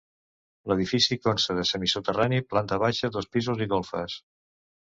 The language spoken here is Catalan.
L'edifici consta de semisoterrani, planta baixa, dos pisos i golfes.